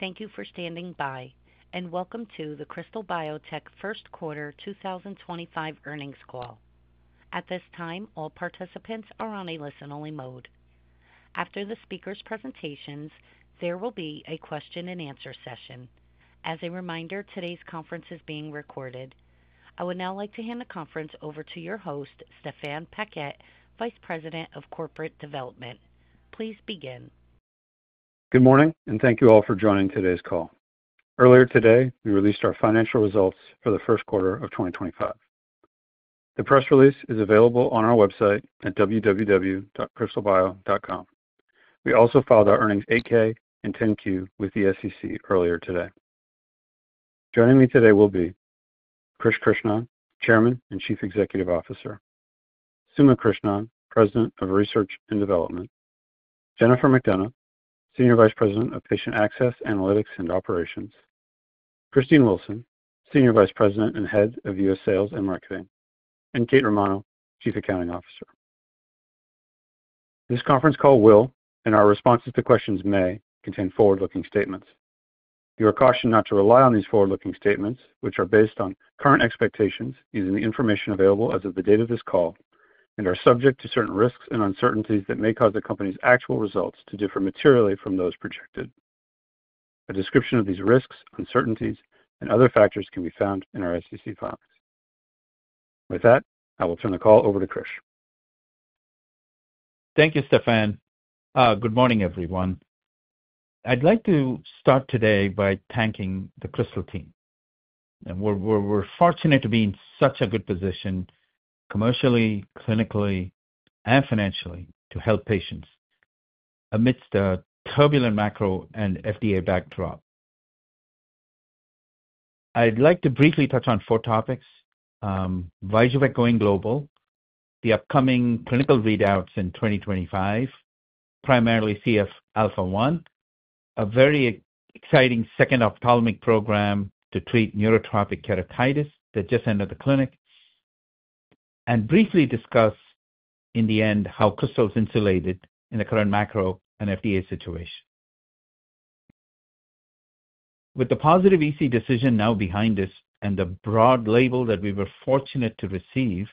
Thank you for standing by, and welcome to the Krystal Biotech first quarter 2025 earnings call. At this time, all participants are on a listen-only mode. After the speakers' presentations, there will be a question-and-answer session. As a reminder, today's conference is being recorded. I would now like to hand the conference over to your host, Stéphane Paquette, Vice President of Corporate Development. Please begin. Good morning, and thank you all for joining today's call. Earlier today, we released our financial results for the first quarter of 2025. The press release is available on our website at www.krystalbio.com. We also filed our earnings 8-K and 10-Q with the SEC earlier today. Joining me today will be: Krish Krishnan, Chairman and Chief Executive Officer; Suma Krishnan, President of Research and Development; Jennifer McDonough, Senior Vice President of Patient Access, Analytics, and Operations; Christine Wilson, Senior Vice President and Head of U.S. Sales and Marketing; and Kate Romano, Chief Accounting Officer. This conference call will, and our responses to questions may, contain forward-looking statements. You are cautioned not to rely on these forward-looking statements, which are based on current expectations using the information available as of the date of this call, and are subject to certain risks and uncertainties that may cause the company's actual results to differ materially from those projected. A description of these risks, uncertainties, and other factors can be found in our SEC filings. With that, I will turn the call over to Krish. Thank you, Stéphane. Good morning, everyone. I'd like to start today by thanking the Krystal team. We're fortunate to be in such a good position commercially, clinically, and financially to help patients amidst a turbulent macro and FDA backdrop. I'd like to briefly touch on four topics: VYJUVEK going global, the upcoming clinical readouts in 2025, primarily CF alpha-1, a very exciting second ophthalmic program to treat neurotrophic keratitis that just entered the clinic, and briefly discuss, in the end, how Krystal's insulated in the current macro and FDA situation. With the positive EC decision now behind us and the broad label that we were fortunate to receive,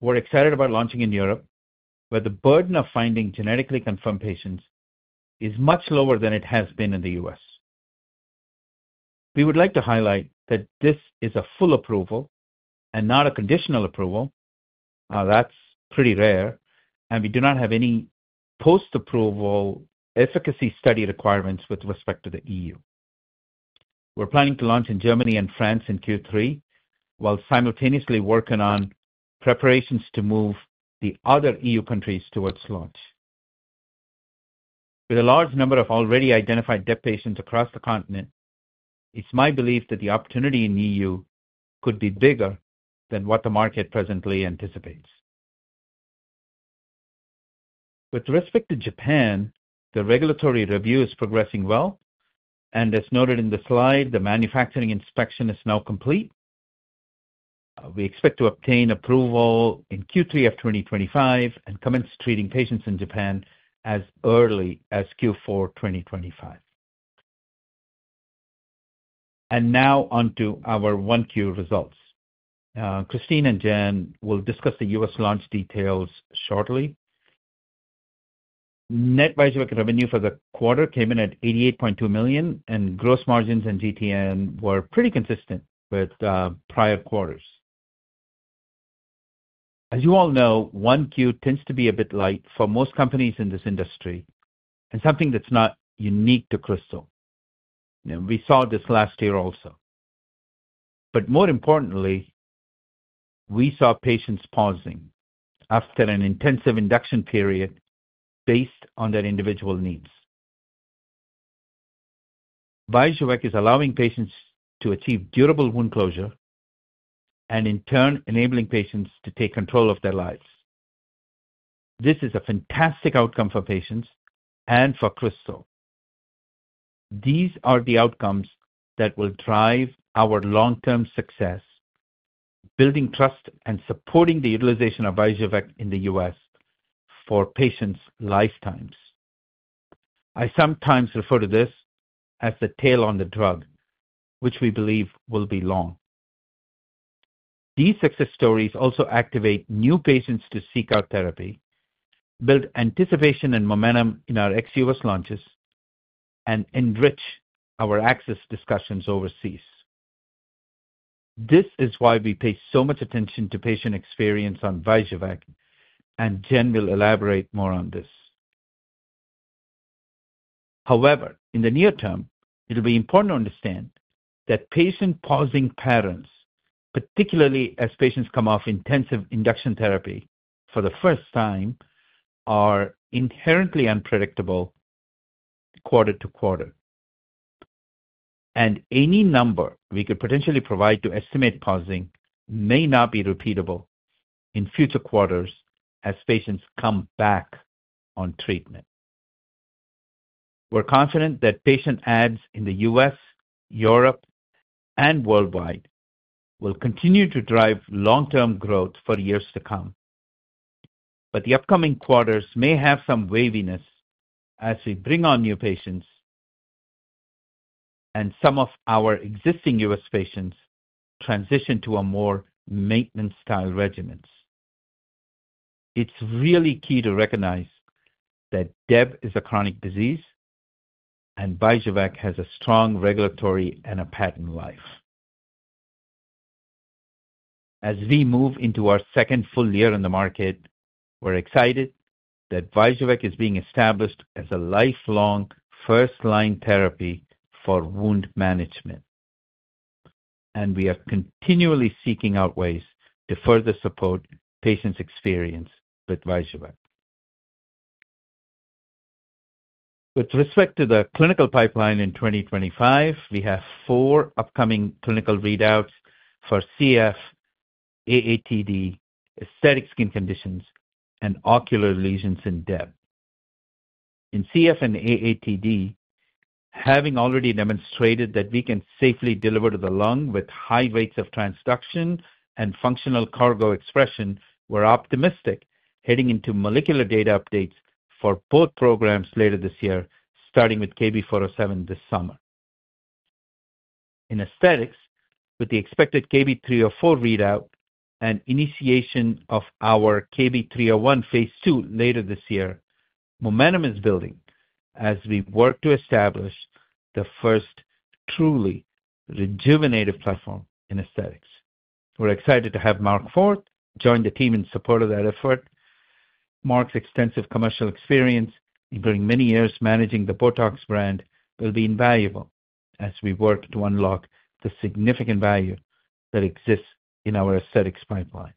we're excited about launching in Europe, where the burden of finding genetically confirmed patients is much lower than it has been in the U.S. We would like to highlight that this is a full approval and not a conditional approval. That's pretty rare, and we do not have any post-approval efficacy study requirements with respect to the EU. We're planning to launch in Germany and France in Q3 while simultaneously working on preparations to move the other EU countries towards launch. With a large number of already identified DEB patients across the continent, it's my belief that the opportunity in the EU could be bigger than what the market presently anticipates. With respect to Japan, the regulatory review is progressing well, and as noted in the slide, the manufacturing inspection is now complete. We expect to obtain approval in Q3 2025 and commence treating patients in Japan as early as Q4 2025. Now onto our 1Q results. Christine and Jen will discuss the U.S. launch details shortly. Net VYJUVEK revenue for the quarter came in at $88.2 million, and gross margins and GTM were pretty consistent with prior quarters. As you all know, 1Q tends to be a bit light for most companies in this industry, and something that's not unique to Krystal. We saw this last year also. More importantly, we saw patients pausing after an intensive induction period based on their individual needs. VYJUVEK is allowing patients to achieve durable wound closure and, in turn, enabling patients to take control of their lives. This is a fantastic outcome for patients and for Krystal. These are the outcomes that will drive our long-term success, building trust and supporting the utilization of VYJUVEK in the U.S. for patients' lifetimes. I sometimes refer to this as the tail on the drug, which we believe will be long. These success stories also activate new patients to seek out therapy, build anticipation and momentum in our ex-U.S. launches, and enrich our access discussions overseas. This is why we pay so much attention to patient experience on VYJUVEK, and Jen will elaborate more on this. However, in the near term, it'll be important to understand that patient pausing patterns, particularly as patients come off intensive induction therapy for the first time, are inherently unpredictable quarter to quarter. Any number we could potentially provide to estimate pausing may not be repeatable in future quarters as patients come back on treatment. We're confident that patient adds in the U.S., Europe, and worldwide will continue to drive long-term growth for years to come. The upcoming quarters may have some waviness as we bring on new patients and some of our existing U.S. patients transition to more maintenance-style regimens. It's really key to recognize that DEB is a chronic disease, and VYJUVEK has a strong regulatory and a patent life. As we move into our second full year in the market, we're excited that VYJUVEK is being established as a lifelong first-line therapy for wound management, and we are continually seeking out ways to further support patients' experience with VYJUVEK. With respect to the clinical pipeline in 2025, we have four upcoming clinical readouts for CF, AATD, aesthetic skin conditions, and ocular lesions in DEB. In CF and AATD, having already demonstrated that we can safely deliver to the lung with high rates of transduction and functional cargo expression, we're optimistic heading into molecular data updates for both programs later this year, starting with KB407 this summer. In aesthetics, with the expected KB304 readout and initiation of our KB301 phase II later this year, momentum is building as we work to establish the first truly rejuvenative platform in aesthetics. We're excited to have Marc Forth join the team in support of that effort. Marc's extensive commercial experience, including many years managing the BOTOX brand, will be invaluable as we work to unlock the significant value that exists in our aesthetics pipeline.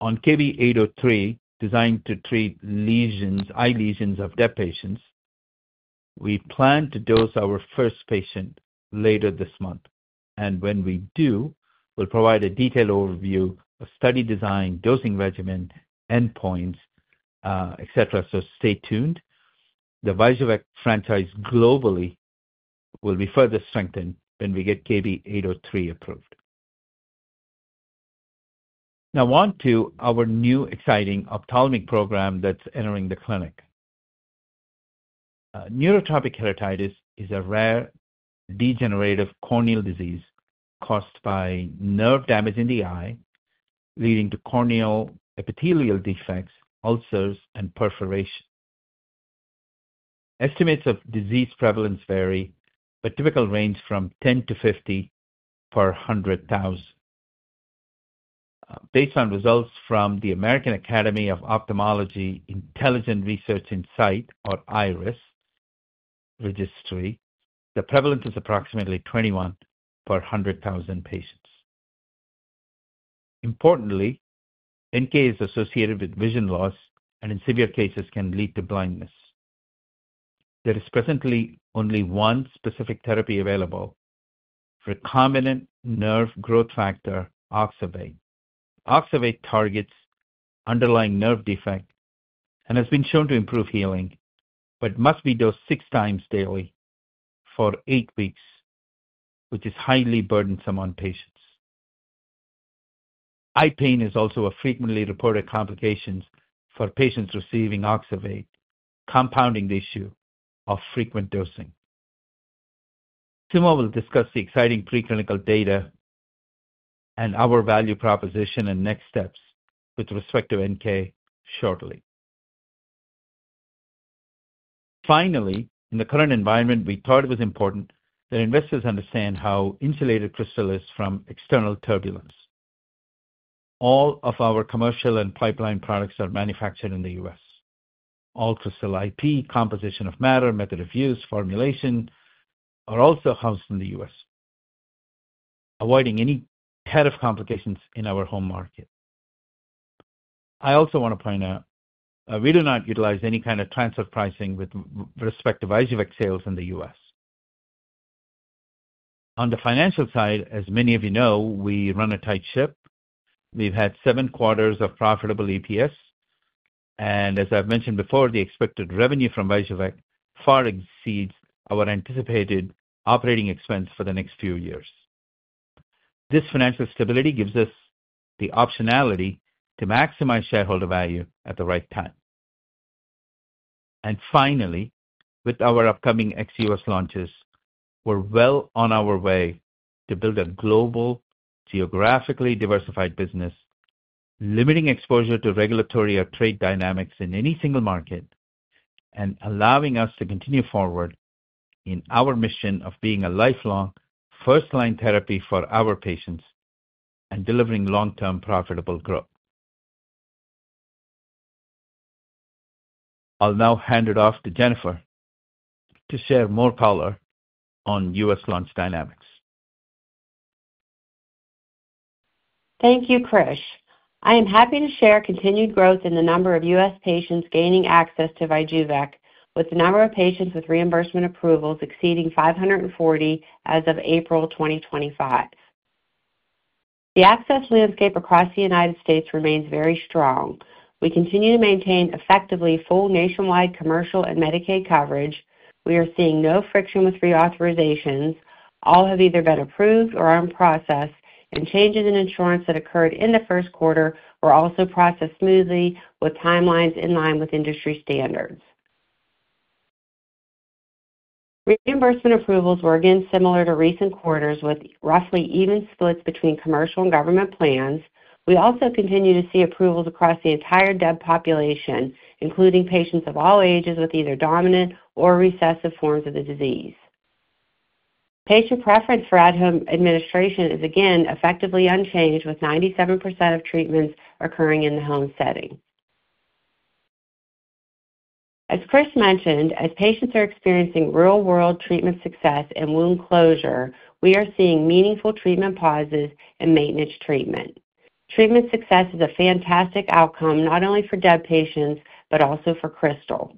On KB803, designed to treat eye lesions of DEB patients, we plan to dose our first patient later this month. When we do, we'll provide a detailed overview of study design, dosing regimen, endpoints, etc. Stay tuned. The VYJUVEK franchise globally will be further strengthened when we get KB803 approved. Now on to our new exciting ophthalmic program that's entering the clinic. Neurotrophic keratitis is a rare degenerative corneal disease caused by nerve damage in the eye, leading to corneal epithelial defects, ulcers, and perforation. Estimates of disease prevalence vary, but typically range from 10-50 per 100,000. Based on results from the American Academy of Ophthalmology Intelligent Research in Sight, or IRIS registry, the prevalence is approximately 21 per 100,000 patients. Importantly, NK is associated with vision loss and, in severe cases, can lead to blindness. There is presently only one specific therapy available for a common nerve growth factor, Oxervate. Oxervate targets underlying nerve defects and has been shown to improve healing, but must be dosed six times daily for eight weeks, which is highly burdensome on patients. Eye pain is also a frequently reported complication for patients receiving Oxervate, compounding the issue of frequent dosing. Suma will discuss the exciting preclinical data and our value proposition and next steps with respect to NK shortly. Finally, in the current environment, we thought it was important that investors understand how insulated Krystal is from external turbulence. All of our commercial and pipeline products are manufactured in the U.S. All Krystal IP, composition of matter, method of use, formulation are also housed in the U.S., avoiding any kind of complications in our home market. I also want to point out we do not utilize any kind of transfer pricing with respect to VYJUVEK sales in the U.S. On the financial side, as many of you know, we run a tight ship. We've had seven quarters of profitable EPS. As I've mentioned before, the expected revenue from VYJUVEK far exceeds our anticipated operating expense for the next few years. This financial stability gives us the optionality to maximize shareholder value at the right time. Finally, with our upcoming ex-U.S. launches, we're well on our way to build a global, geographically diversified business, limiting exposure to regulatory or trade dynamics in any single market and allowing us to continue forward in our mission of being a lifelong first-line therapy for our patients and delivering long-term profitable growth. I'll now hand it off to Jennifer to share more color on U.S. launch dynamics. Thank you, Krish. I am happy to share continued growth in the number of U.S. patients gaining access to VYJUVEK, with the number of patients with reimbursement approvals exceeding 540 as of April 2025. The access landscape across the United States remains very strong. We continue to maintain effectively full nationwide commercial and Medicaid coverage. We are seeing no friction with pre-authorizations. All have either been approved or are in process, and changes in insurance that occurred in the first quarter were also processed smoothly, with timelines in line with industry standards. Reimbursement approvals were again similar to recent quarters, with roughly even splits between commercial and government plans. We also continue to see approvals across the entire DEB population, including patients of all ages with either dominant or recessive forms of the disease. Patient preference for ad hoc administration is again effectively unchanged, with 97% of treatments occurring in the home setting. As Krish mentioned, as patients are experiencing real-world treatment success and wound closure, we are seeing meaningful treatment pauses and maintenance treatment. Treatment success is a fantastic outcome not only for DEB patients, but also for Krystal.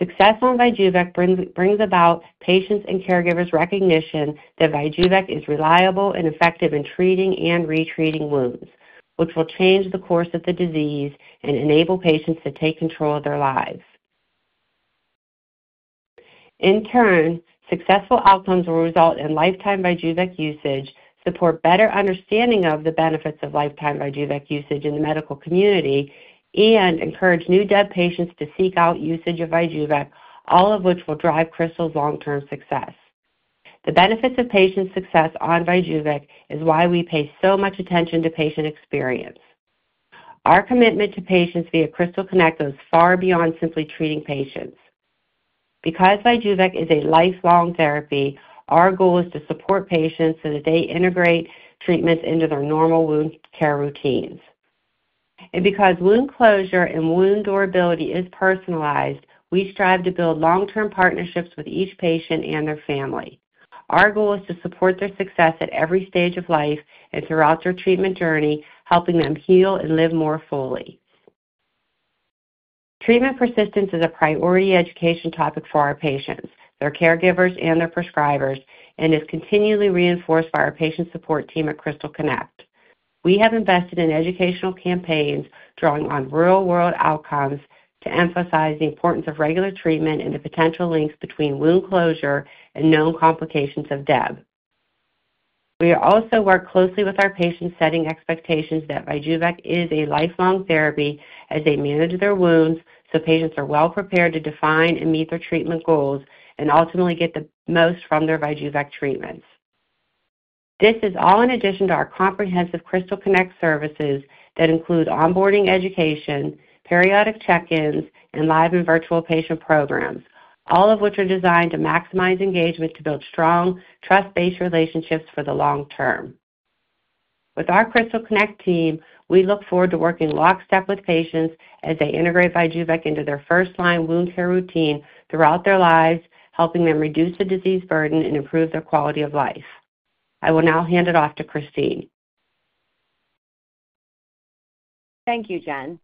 Success on VYJUVEK brings about patients' and caregivers' recognition that VYJUVEK is reliable and effective in treating and retreating wounds, which will change the course of the disease and enable patients to take control of their lives. In turn, successful outcomes will result in lifetime VYJUVEK usage, support better understanding of the benefits of lifetime VYJUVEK usage in the medical community, and encourage new DEB patients to seek out usage of VYJUVEK, all of which will drive Krystal's long-term success. The benefits of patient success on VYJUVEK is why we pay so much attention to patient experience. Our commitment to patients via Krystal Connect goes far beyond simply treating patients. Because VYJUVEK is a lifelong therapy, our goal is to support patients so that they integrate treatments into their normal wound care routines. Because wound closure and wound durability is personalized, we strive to build long-term partnerships with each patient and their family. Our goal is to support their success at every stage of life and throughout their treatment journey, helping them heal and live more fully. Treatment persistence is a priority education topic for our patients, their caregivers, and their prescribers, and is continually reinforced by our patient support team at Krystal Connect. We have invested in educational campaigns drawing on real-world outcomes to emphasize the importance of regular treatment and the potential links between wound closure and known complications of DEB. We also work closely with our patients, setting expectations that VYJUVEK is a lifelong therapy as they manage their wounds so patients are well prepared to define and meet their treatment goals and ultimately get the most from their VYJUVEK treatments. This is all in addition to our comprehensive Krystal Connect services that include onboarding education, periodic check-ins, and live and virtual patient programs, all of which are designed to maximize engagement to build strong, trust-based relationships for the long term. With our Krystal Connect team, we look forward to working lockstep with patients as they integrate VYJUVEK into their first-line wound care routine throughout their lives, helping them reduce the disease burden and improve their quality of life. I will now hand it off to Christine. Thank you, Jen.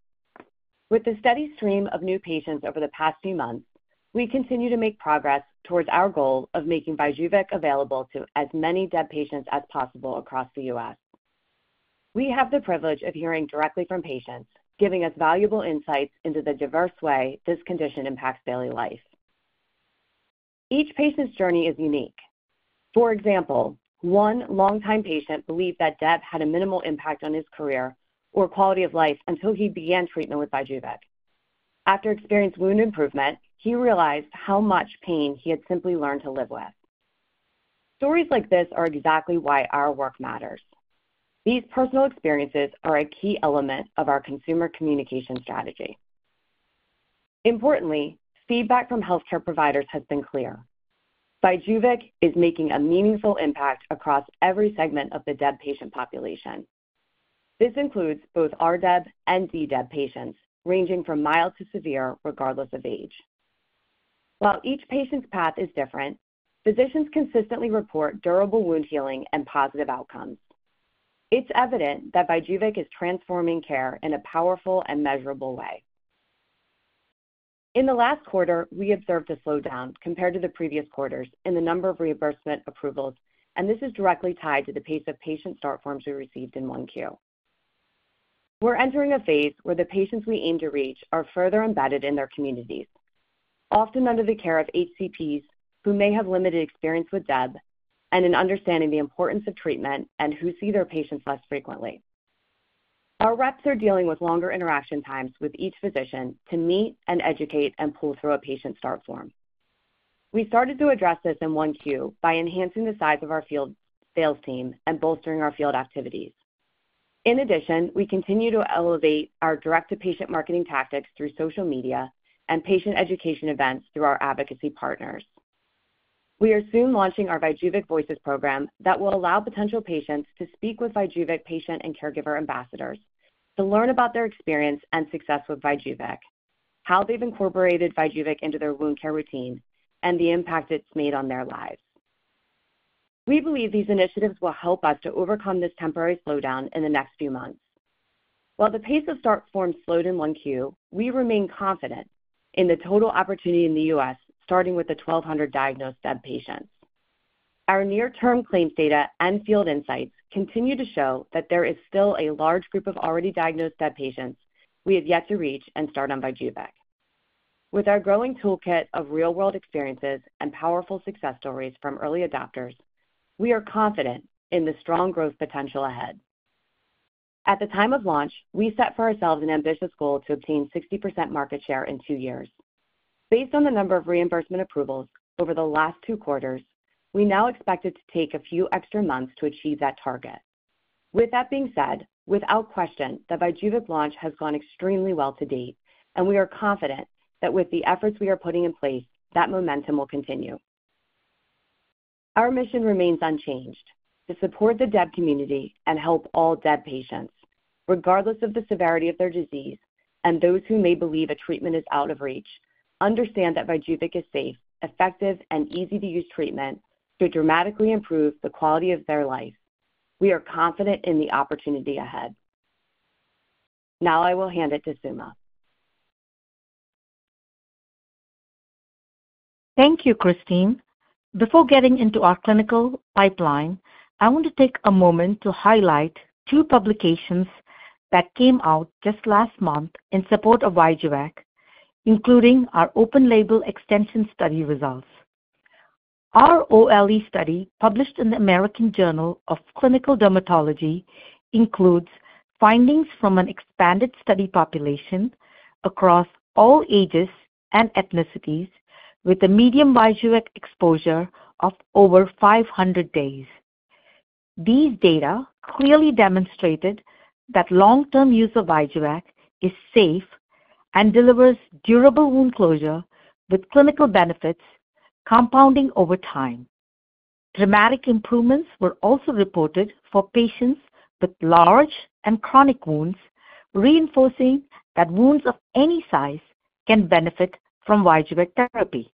With the steady stream of new patients over the past few months, we continue to make progress towards our goal of making VYJUVEK available to as many DEB patients as possible across the U.S. We have the privilege of hearing directly from patients, giving us valuable insights into the diverse way this condition impacts daily life. Each patient's journey is unique. For example, one longtime patient believed that DEB had a minimal impact on his career or quality of life until he began treatment with VYJUVEK. After experiencing wound improvement, he realized how much pain he had simply learned to live with. Stories like this are exactly why our work matters. These personal experiences are a key element of our consumer communication strategy. Importantly, feedback from healthcare providers has been clear. VYJUVEK is making a meaningful impact across every segment of the DEB patient population. This includes both our DEB and DDEB patients, ranging from mild to severe, regardless of age. While each patient's path is different, physicians consistently report durable wound healing and positive outcomes. It's evident that VYJUVEK is transforming care in a powerful and measurable way. In the last quarter, we observed a slowdown compared to the previous quarters in the number of reimbursement approvals, and this is directly tied to the pace of patient start forms we received in Q1. We're entering a phase where the patients we aim to reach are further embedded in their communities, often under the care of HCPs who may have limited experience with DEB and an understanding of the importance of treatment and who see their patients less frequently. Our reps are dealing with longer interaction times with each physician to meet and educate and pull through a patient start form. We started to address this in Q1 by enhancing the size of our field sales team and bolstering our field activities. In addition, we continue to elevate our direct-to-patient marketing tactics through social media and patient education events through our advocacy partners. We are soon launching our VYJUVEK Voices program that will allow potential patients to speak with VYJUVEK patient and caregiver ambassadors to learn about their experience and success with VYJUVEK, how they've incorporated VYJUVEK into their wound care routine, and the impact it's made on their lives. We believe these initiatives will help us to overcome this temporary slowdown in the next few months. While the pace of start forms slowed in Q1, we remain confident in the total opportunity in the U.S., starting with the 1,200 diagnosed DEB patients. Our near-term claims data and field insights continue to show that there is still a large group of already diagnosed DEB patients we have yet to reach and start on VYJUVEK. With our growing toolkit of real-world experiences and powerful success stories from early adopters, we are confident in the strong growth potential ahead. At the time of launch, we set for ourselves an ambitious goal to obtain 60% market share in two years. Based on the number of reimbursement approvals over the last two quarters, we now expect it to take a few extra months to achieve that target. With that being said, without question, the VYJUVEK launch has gone extremely well to date, and we are confident that with the efforts we are putting in place, that momentum will continue. Our mission remains unchanged: to support the DEB community and help all DEB patients, regardless of the severity of their disease and those who may believe a treatment is out of reach, understand that VYJUVEK is a safe, effective, and easy-to-use treatment to dramatically improve the quality of their life. We are confident in the opportunity ahead. Now I will hand it to Suma. Thank you, Christine. Before getting into our clinical pipeline, I want to take a moment to highlight two publications that came out just last month in support of VYJUVEK, including our open-label extension study results. Our OLE study, published in the American Journal of Clinical Dermatology, includes findings from an expanded study population across all ages and ethnicities, with a median VYJUVEK exposure of over 500 days. These data clearly demonstrated that long-term use of VYJUVEK is safe and delivers durable wound closure with clinical benefits compounding over time. Dramatic improvements were also reported for patients with large and chronic wounds, reinforcing that wounds of any size can benefit from VYJUVEK therapy.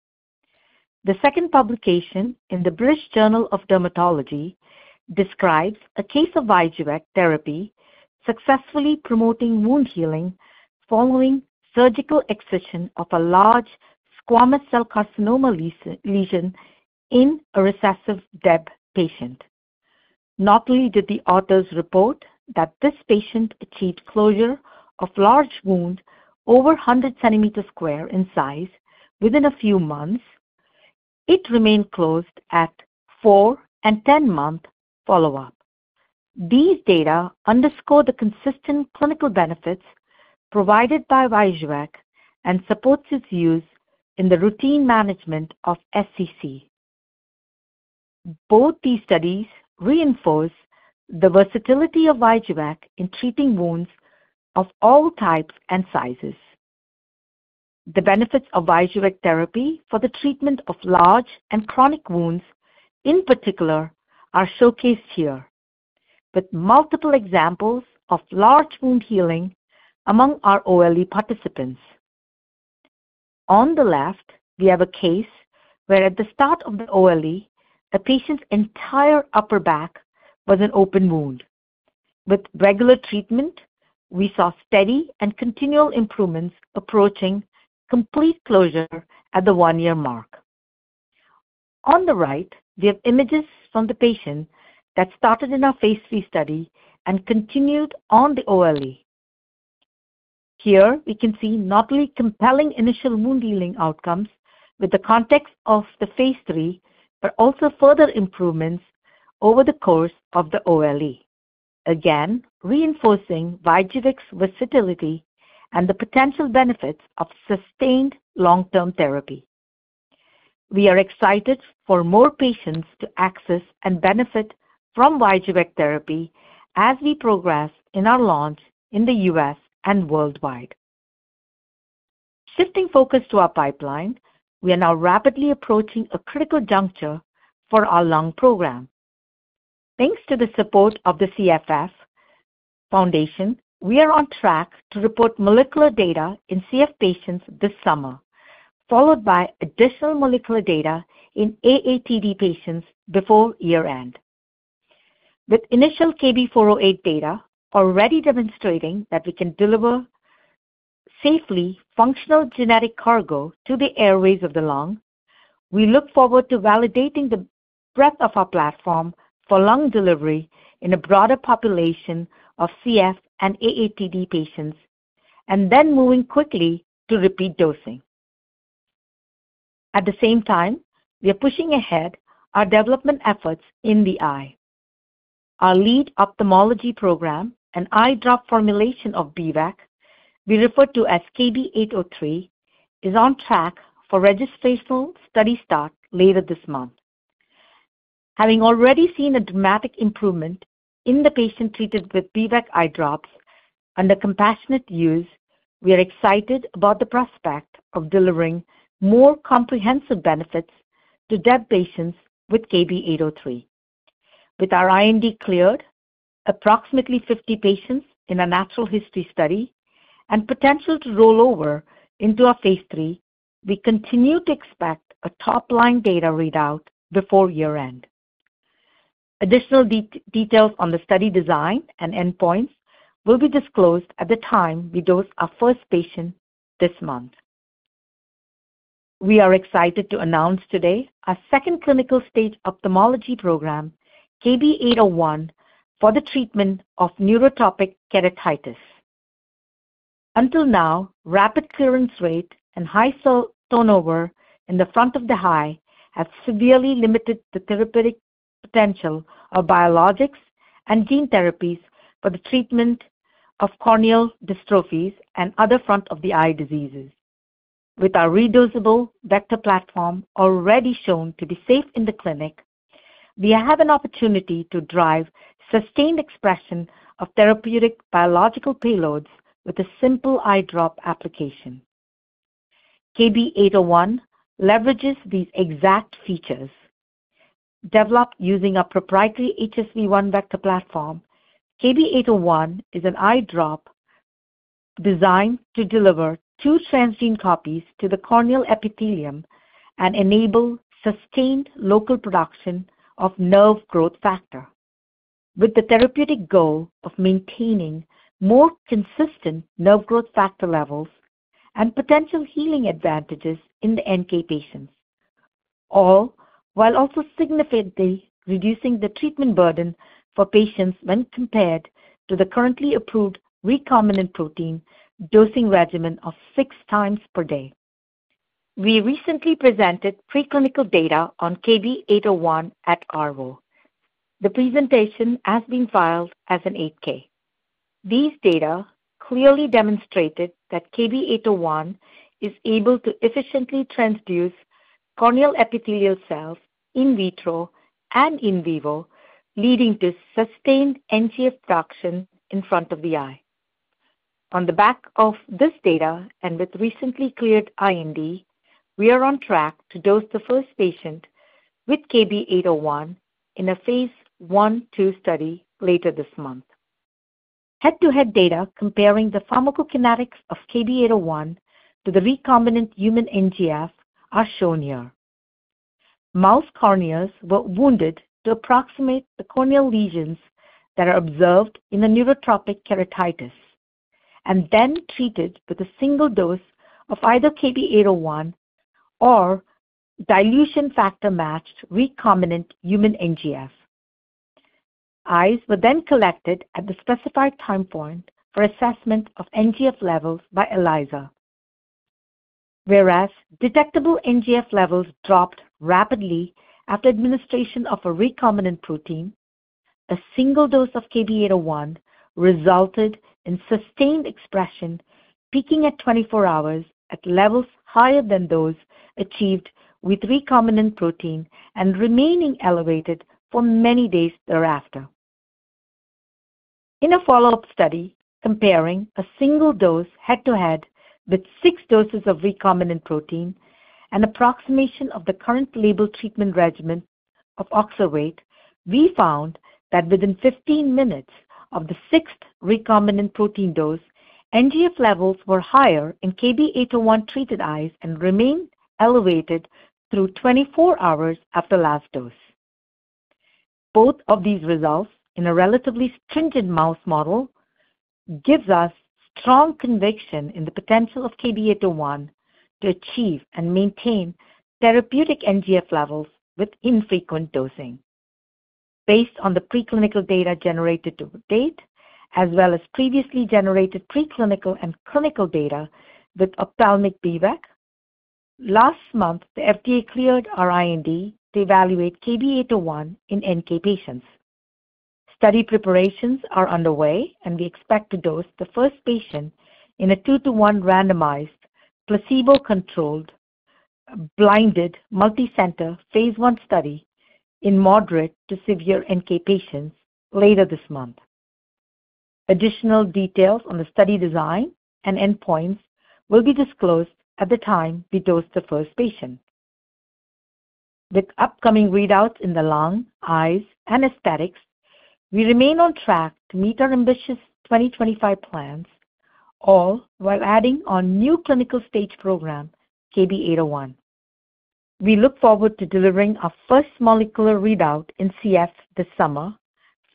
The second publication in the British Journal of Dermatology describes a case of VYJUVEK therapy successfully promoting wound healing following surgical excision of a large squamous cell carcinoma lesion in a recessive DEB patient. Not only did the authors report that this patient achieved closure of large wounds over 100 cm sq in size within a few months, it remained closed at four and 10-month follow-up. These data underscore the consistent clinical benefits provided by VYJUVEK and support its use in the routine management of SCC. Both these studies reinforce the versatility of VYJUVEK in treating wounds of all types and sizes. The benefits of VYJUVEK therapy for the treatment of large and chronic wounds, in particular, are showcased here, with multiple examples of large wound healing among our OLE participants. On the left, we have a case where at the start of the OLE, a patient's entire upper back was an open wound. With regular treatment, we saw steady and continual improvements approaching complete closure at the one-year mark. On the right, we have images from the patient that started in our phase III study and continued on the OLE. Here, we can see not only compelling initial wound healing outcomes with the context of the phase III, but also further improvements over the course of the OLE, again reinforcing VYJUVEK 's versatility and the potential benefits of sustained long-term therapy. We are excited for more patients to access and benefit from VYJUVEK therapy as we progress in our launch in the U.S. and worldwide. Shifting focus to our pipeline, we are now rapidly approaching a critical juncture for our lung program. Thanks to the support of the Cystic Fibrosis Foundation, we are on track to report molecular data in CF patients this summer, followed by additional molecular data in AATD patients before year-end. With initial KB408 data already demonstrating that we can deliver safely functional genetic cargo to the airways of the lung, we look forward to validating the breadth of our platform for lung delivery in a broader population of CF and AATD patients, and then moving quickly to repeat dosing. At the same time, we are pushing ahead our development efforts in the eye. Our lead ophthalmology program, an eye drop formulation of beremagene geperpavec, we refer to as KB803, is on track for registration study start later this month. Having already seen a dramatic improvement in the patient treated with beremagene geperpavec eye drops under compassionate use, we are excited about the prospect of delivering more comprehensive benefits to DEB patients with KB803. With our IND cleared, approximately 50 patients in a natural history study, and potential to roll over into a phase III, we continue to expect a top-line data readout before year-end. Additional details on the study design and endpoints will be disclosed at the time we dose our first patient this month. We are excited to announce today our second clinical stage ophthalmology program, KB801, for the treatment of neurotrophic keratitis. Until now, rapid clearance rate and high turnover in the front of the eye have severely limited the therapeutic potential of biologics and gene therapies for the treatment of corneal dystrophies and other front-of-the-eye diseases. With our redosable vector platform already shown to be safe in the clinic, we have an opportunity to drive sustained expression of therapeutic biological payloads with a simple eye drop application. KB801 leverages these exact features. Developed using a proprietary HSV1 vector platform, KB801 is an eye drop designed to deliver two transgene copies to the corneal epithelium and enable sustained local production of nerve growth factor, with the therapeutic goal of maintaining more consistent nerve growth factor levels and potential healing advantages in the NK patients, all while also significantly reducing the treatment burden for patients when compared to the currently approved recombinant protein dosing regimen of six times per day. We recently presented preclinical data on KB801 at ARVO. The presentation has been filed as an 8-K. These data clearly demonstrated that KB801 is able to efficiently transduce corneal epithelial cells in vitro and in vivo, leading to sustained NGF production in front of the eye. On the back of this data and with recently cleared IND, we are on track to dose the first patient with KB801 in a phase I-two study later this month. Head-to-head data comparing the pharmacokinetics of KB801 to the recombinant human NGF are shown here. Mouse corneas were wounded to approximate the corneal lesions that are observed in the neurotrophic keratitis and then treated with a single dose of either KB801 or dilution factor-matched recombinant human NGF. The eyes were then collected at the specified time point for assessment of NGF levels by ELISA. Whereas detectable NGF levels dropped rapidly after administration of a recombinant protein, a single dose of KB801 resulted in sustained expression peaking at 24 hours at levels higher than those achieved with recombinant protein and remaining elevated for many days thereafter. In a follow-up study comparing a single dose head-to-head with six doses of recombinant protein and approximation of the current label treatment regimen of Oxervate, we found that within 15 minutes of the sixth recombinant protein dose, NGF levels were higher in KB801-treated eyes and remained elevated through 24 hours after last dose. Both of these results in a relatively stringent mouse model give us strong conviction in the potential of KB801 to achieve and maintain therapeutic NGF levels with infrequent dosing. Based on the preclinical data generated to date, as well as previously generated preclinical and clinical data with ophthalmic BVAC, last month, the FDA cleared our IND to evaluate KB801 in NK patients. Study preparations are underway, and we expect to dose the first patient in a two-to-one randomized placebo-controlled blinded multicenter phase I study in moderate to severe NK patients later this month. Additional details on the study design and endpoints will be disclosed at the time we dose the first patient. With upcoming readouts in the lung, eyes, and aesthetics, we remain on track to meet our ambitious 2025 plans, all while adding our new clinical stage program, KB801. We look forward to delivering our first molecular readout in CF this summer,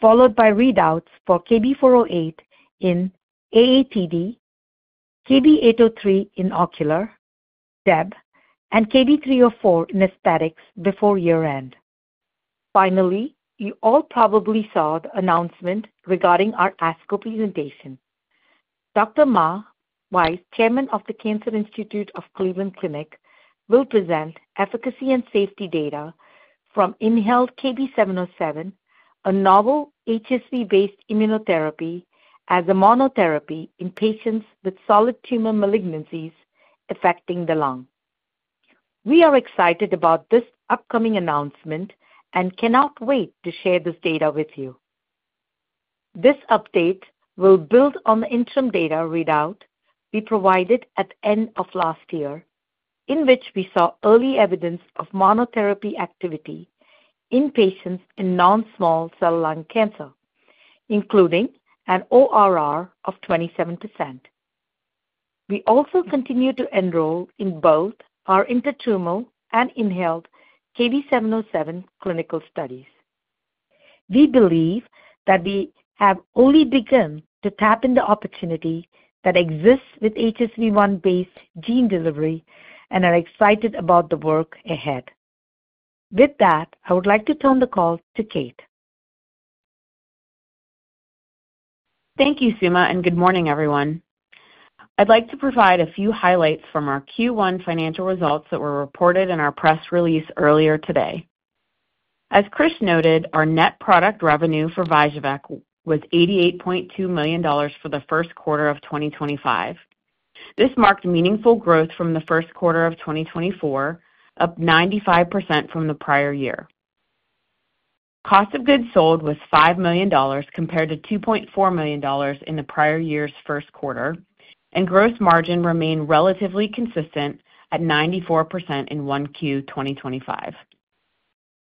followed by readouts for KB408 in AATD, KB803 in ocular, DEB, and KB304 in aesthetics before year-end. Finally, you all probably saw the announcement regarding our ASCO presentation. Dr. Ma, Vice Chairman of the Cancer Institute of Cleveland Clinic, will present efficacy and safety data from inhaled KB707, a novel HSV-based immunotherapy as a monotherapy in patients with solid tumor malignancies affecting the lung. We are excited about this upcoming announcement and cannot wait to share this data with you. This update will build on the interim data readout we provided at the end of last year, in which we saw early evidence of monotherapy activity in patients in non-small cell lung cancer, including an ORR of 27%. We also continue to enroll in both our intertumor and inhaled KB707 clinical studies. We believe that we have only begun to tap into opportunities that exist with HSV1-based gene delivery and are excited about the work ahead. With that, I would like to turn the call to Kate. Thank you, Suma, and good morning, everyone. I'd like to provide a few highlights from our Q1 financial results that were reported in our press release earlier today. As Krish noted, our net product revenue for VYJUVEK was $88.2 million for the first quarter of 2025. This marked meaningful growth from the first quarter of 2024, up 95% from the prior year. Cost of goods sold was $5 million compared to $2.4 million in the prior year's first quarter, and gross margin remained relatively consistent at 94% in Q1 2025.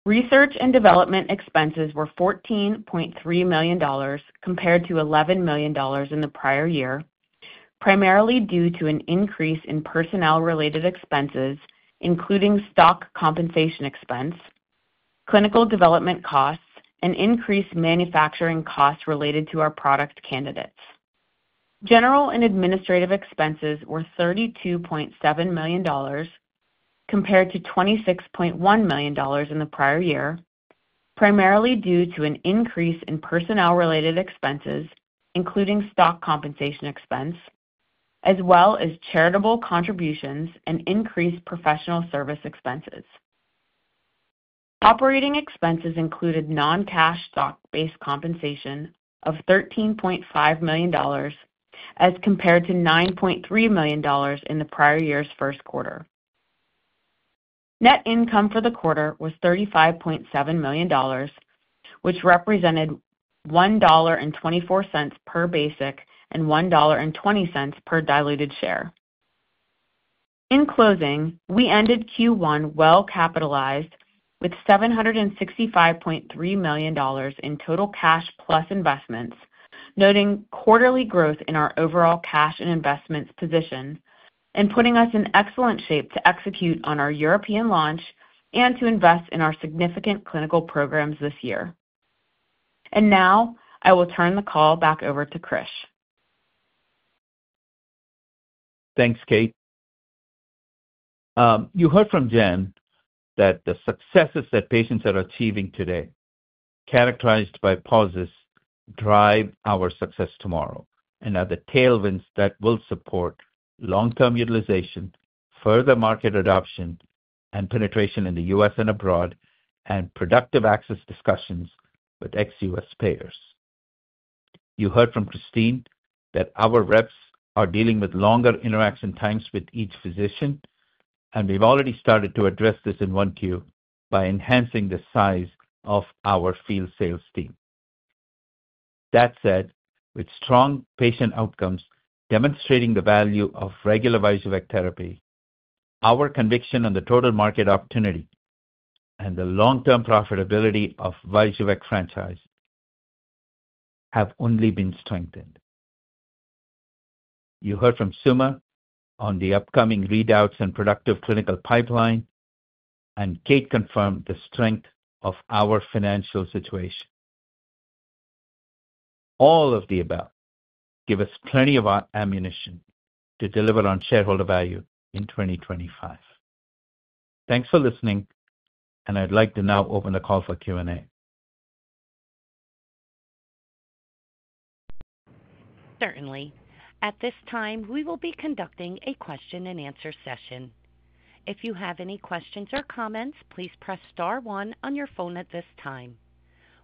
Research and development expenses were $14.3 million compared to $11 million in the prior year, primarily due to an increase in personnel-related expenses, including stock compensation expense, clinical development costs, and increased manufacturing costs related to our product candidates. General and administrative expenses were $32.7 million compared to $26.1 million in the prior year, primarily due to an increase in personnel-related expenses, including stock compensation expense, as well as charitable contributions and increased professional service expenses. Operating expenses included non-cash stock-based compensation of $13.5 million as compared to $9.3 million in the prior year's first quarter. Net income for the quarter was $35.7 million, which represented $1.24 per basic and $1.20 per diluted share. In closing, we ended Q1 well-capitalized with $765.3 million in total cash plus investments, noting quarterly growth in our overall cash and investments position and putting us in excellent shape to execute on our European launch and to invest in our significant clinical programs this year. I will turn the call back over to Krish. Thanks, Kate. You heard from Jen that the successes that patients are achieving today, characterized by pauses, drive our success tomorrow and are the tailwinds that will support long-term utilization, further market adoption and penetration in the U.S. and abroad, and productive access discussions with ex-U.S. payers. You heard from Christine that our reps are dealing with longer interaction times with each physician, and we have already started to address this in 1Q by enhancing the size of our field sales team. That said, with strong patient outcomes demonstrating the value of regular VYJUVEK therapy, our conviction on the total market opportunity and the long-term profitability of the VYJUVEK franchise have only been strengthened. You heard from Suma on the upcoming readouts and productive clinical pipeline, and Kate confirmed the strength of our financial situation. All of the above give us plenty of ammunition to deliver on shareholder value in 2025. Thanks for listening, and I'd like to now open the call for Q&A. Certainly. At this time, we will be conducting a question-and-answer session. If you have any questions or comments, please press star one on your phone at this time.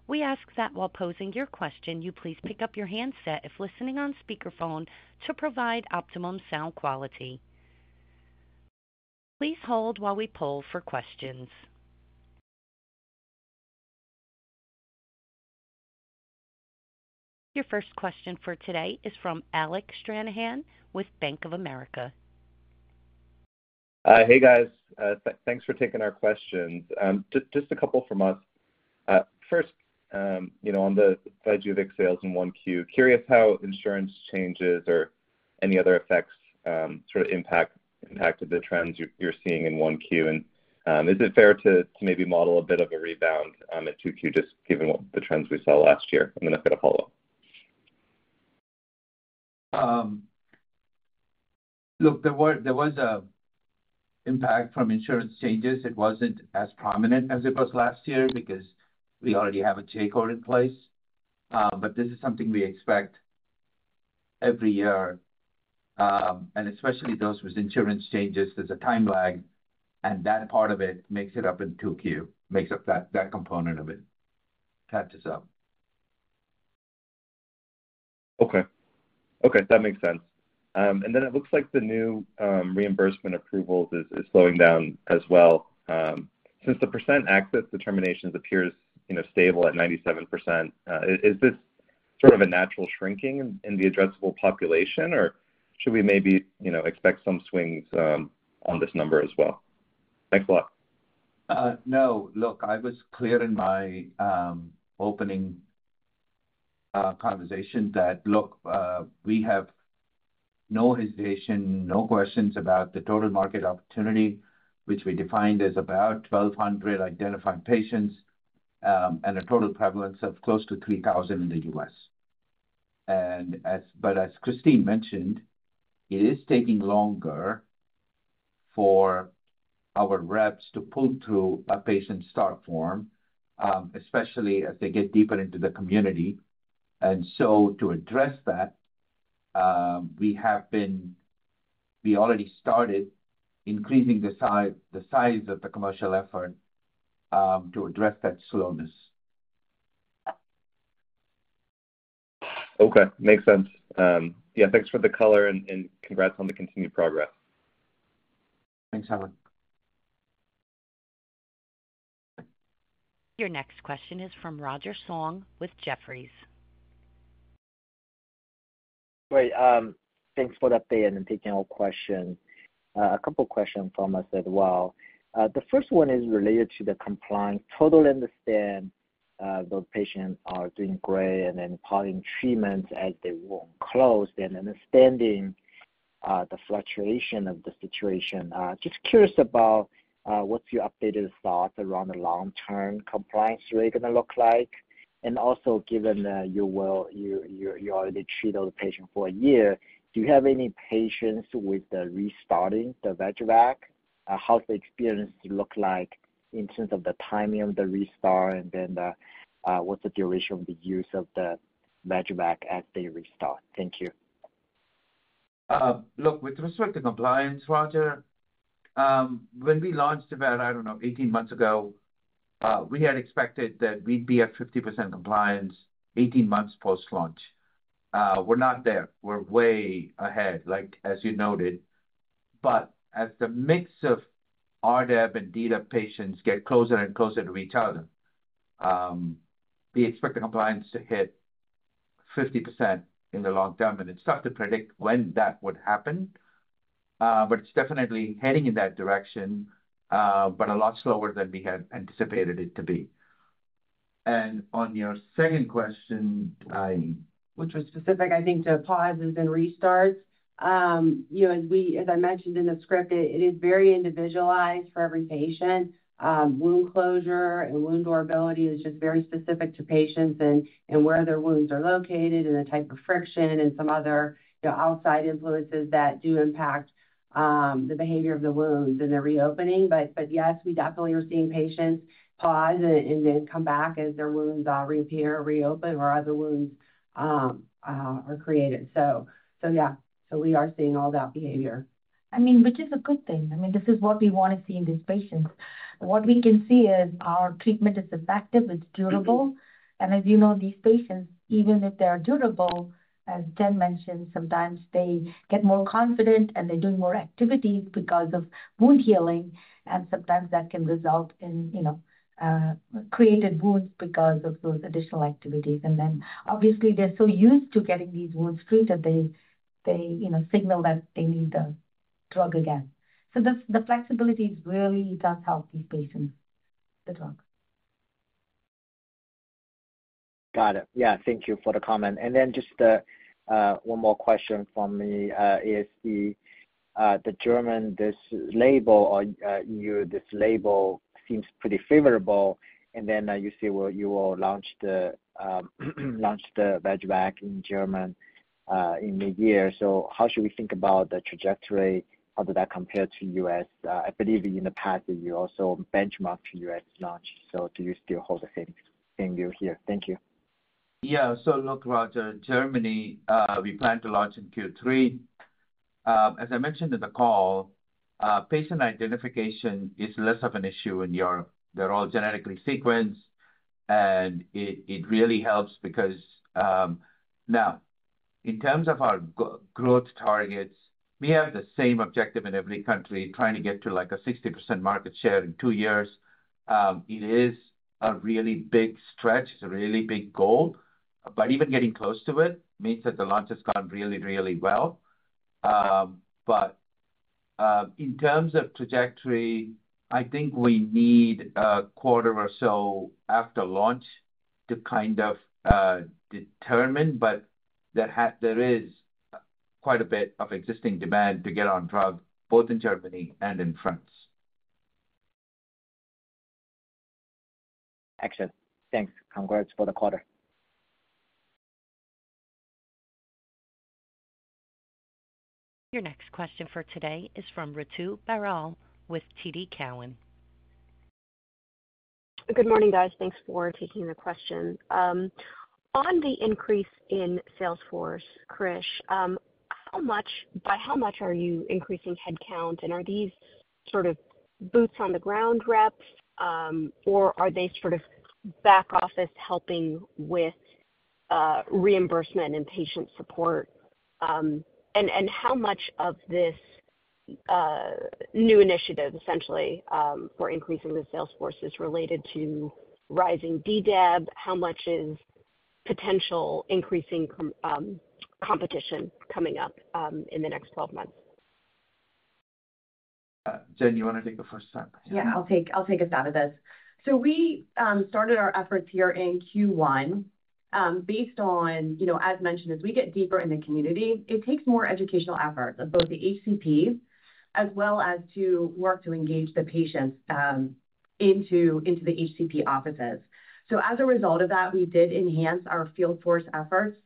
We ask that while posing your question, you please pick up your handset if listening on speakerphone to provide optimum sound quality. Please hold while we poll for questions. Your first question for today is from Alec Stranahan with Bank of America. Hey, guys. Thanks for taking our questions. Just a couple from us. First, on the VYJUVEK sales in 1Q, curious how insurance changes or any other effects sort of impacted the trends you're seeing in 1Q. Is it fair to maybe model a bit of a rebound in 2Q, just given what the trends we saw last year? I have a follow-up. Look, there was an impact from insurance changes. It was not as prominent as it was last year because we already have a J-code in place. This is something we expect every year, and especially those with insurance changes. There is a time lag, and that part of it makes it up in Q2, makes up that component of it, catches up. Okay. Okay. That makes sense. It looks like the new reimbursement approvals is slowing down as well. Since the percent access determinations appear stable at 97%, is this sort of a natural shrinking in the addressable population, or should we maybe expect some swings on this number as well? Thanks a lot. No. Look, I was clear in my opening conversation that, look, we have no hesitation, no questions about the total market opportunity, which we defined as about 1,200 identified patients and a total prevalence of close to 3,000 in the U.S. As Christine mentioned, it is taking longer for our reps to pull through a patient start form, especially as they get deeper into the community. To address that, we already started increasing the size of the commercial effort to address that slowness. Okay. Makes sense. Yeah. Thanks for the color, and congrats on the continued progress. Thanks, Alec. Your next question is from Roger Song with Jefferies. Great. Thanks for the update and taking our questions. A couple of questions from us as well. The first one is related to the compliance. Totally understand those patients are doing great and then following treatments as they want closed and understanding the fluctuation of the situation. Just curious about what's your updated thoughts around the long-term compliance rate going to look like. Also, given that you already treated those patients for a year, do you have any patients with restarting the VYJUVEK ? How's the experience look like in terms of the timing of the restart, and then what's the duration of the use of the VYJUVEK as they restart? Thank you. Look, with respect to compliance, Roger, when we launched about, I do not know, 18 months ago, we had expected that we would be at 50% compliance 18 months post-launch. We are not there. We are way ahead, as you noted. As the mix of RDEB and DDEB patients get closer and closer to each other, we expect the compliance to hit 50% in the long term. It is tough to predict when that would happen, but it is definitely heading in that direction, but a lot slower than we had anticipated it to be. On your second question. Which was specific, I think, to pauses and restarts, as I mentioned in the script, it is very individualized for every patient. Wound closure and wound durability is just very specific to patients and where their wounds are located and the type of friction and some other outside influences that do impact the behavior of the wounds and the reopening. Yes, we definitely are seeing patients pause and then come back as their wounds reappear or reopen or other wounds are created. Yeah, we are seeing all that behavior. I mean, which is a good thing. I mean, this is what we want to see in these patients. What we can see is our treatment is effective. It is durable. As you know, these patients, even if they are durable, as Jen mentioned, sometimes they get more confident and they are doing more activity because of wound healing. Sometimes that can result in created wounds because of those additional activities. Obviously, they're so used to getting these wounds treated, they signal that they need the drug again. The flexibility really does help these patients, the drug. Got it. Yeah. Thank you for the comment. Just one more question from me is the German, this label or EU, this label seems pretty favorable. You say you will launch the VYJUVEK in Germany in mid-year. How should we think about the trajectory? How does that compare to U.S.? I believe in the past, you also benchmarked U.S. launch. Do you still hold the same view here? Thank you. Yeah. Look, Roger, Germany, we plan to launch in Q3. As I mentioned in the call, patient identification is less of an issue in Europe. They're all genetically sequenced, and it really helps because now, in terms of our growth targets, we have the same objective in every country, trying to get to a 60% market share in two years. It is a really big stretch. It's a really big goal. Even getting close to it means that the launch has gone really, really well. In terms of trajectory, I think we need a quarter or so after launch to kind of determine, but there is quite a bit of existing demand to get on drug, both in Germany and in France. Excellent. Thanks. Congrats for the quarter. Your next question for today is from Ritu Baral with TD Cowen. Good morning, guys. Thanks for taking the question. On the increase in Salesforce, Krish, by how much are you increasing headcount? Are these sort of boots-on-the-ground reps, or are they sort of back office helping with reimbursement and patient support? How much of this new initiative, essentially, for increasing the Salesforce is related to rising DDEB? How much is potential increasing competition coming up in the next 12 months? Jen, you want to take the first time? Yeah. I'll take a stab at this. We started our efforts here in Q1 based on, as mentioned, as we get deeper in the community, it takes more educational efforts of both the HCP as well as to work to engage the patients into the HCP offices. As a result of that, we did enhance our field force efforts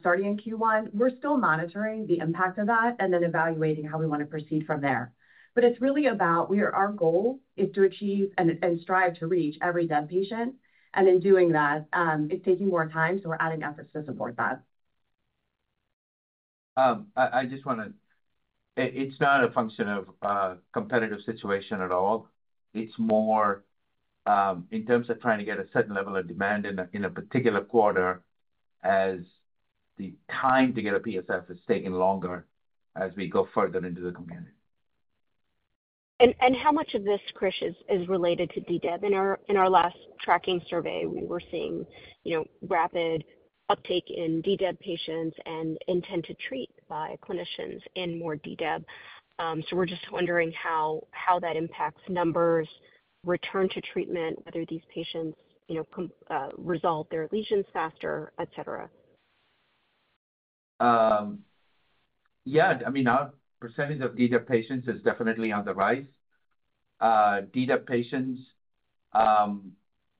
starting in Q1. We're still monitoring the impact of that and then evaluating how we want to proceed from there. It is really about our goal to achieve and strive to reach every DEB patient. In doing that, it is taking more time, so we are adding efforts to support that. I just want to say it is not a function of competitive situation at all. It is more in terms of trying to get a certain level of demand in a particular quarter as the time to get a PSF is taking longer as we go further into the community. How much of this, Krish, is related to DDEB? In our last tracking survey, we were seeing rapid uptake in DDEB patients and intent to treat by clinicians in more DDEB. We are just wondering how that impacts numbers, return to treatment, whether these patients resolve their lesions faster, etc. Yeah. I mean, our percentage of DDEB patients is definitely on the rise. DDEB patients,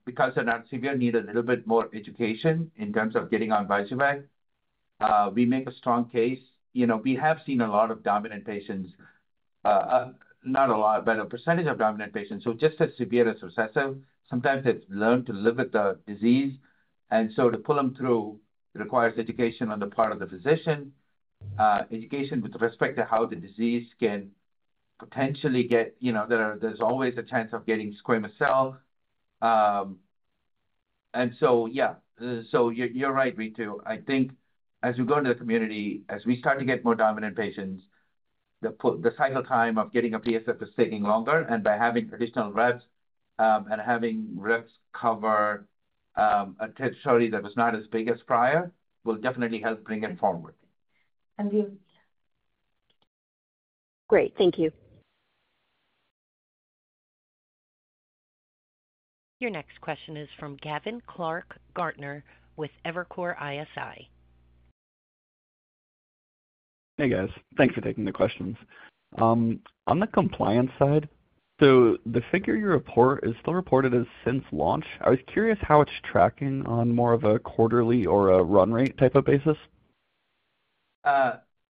because they're not severe, need a little bit more education in terms of getting on VYJUVEK. We make a strong case. We have seen a lot of dominant patients, not a lot, but a percentage of dominant patients. Just as severe as recessive, sometimes they've learned to live with the disease. To pull them through requires education on the part of the physician, education with respect to how the disease can potentially get—there's always a chance of getting squamous cell. Yeah. You're right, Ritu. I think as we go into the community, as we start to get more dominant patients, the cycle time of getting a PSF is taking longer. By having additional reps and having reps cover a territory that was not as big as prior will definitely help bring it forward. Thank you. Great. Thank you. Your next question is from Gavin Clark-Gartner with Evercore ISI. Hey, guys. Thanks for taking the questions. On the compliance side, so the figure you report is still reported as since launch. I was curious how it's tracking on more of a quarterly or a run rate type of basis?